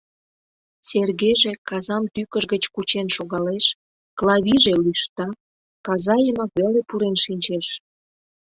Сергейже казам тӱкыж гыч кучен шогалеш, Клавийже лӱшта, каза йымак веле пурен шинчеш.